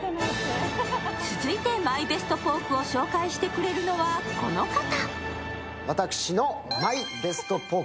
続いて、ＭＹＢＥＳＴポークを紹介してくれるのは、この方。